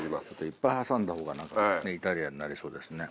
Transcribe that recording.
いっぱい挟んだほうがイタリアンになりそうですね。